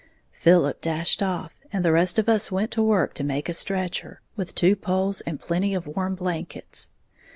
Philip dashed off, and the rest of us went to work to make a stretcher, with two poles and plenty of warm blankets.